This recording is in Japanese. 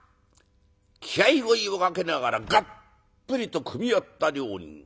気合いを入れかけながらがっぷりと組み合った両人